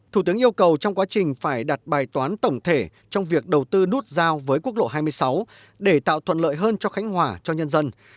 thủ tướng yêu cầu trong quá trình phải đặt bài toán tổng thể trong việc đầu tư nút giao với quốc lộ hai mươi sáu để tạo thuận lợi hơn cho khánh hòa cho nhân dân